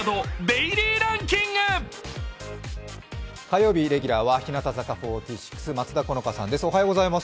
火曜日レギュラーは日向坂４６・松田好花さん。